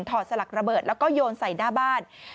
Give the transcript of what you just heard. สลักระเบิดแล้วก็โยนใส่หน้าบ้าน